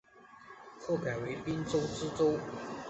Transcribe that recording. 后改为滨州知州。